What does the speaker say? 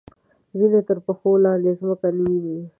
ځینې تر پښو لاندې ځمکه نه ویني.